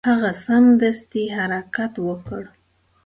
هغه سمدستي حرکت وکړ.